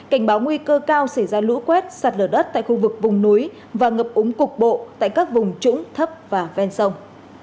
cảnh báo nguy cơ cao xảy ra lũ quét sạt lở đất tại khu vực vùng núi và ngập úng cục bộ tại các vùng trũng thấp và ven sông